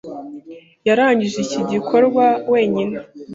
Yarangije iki gikorwa wenyine.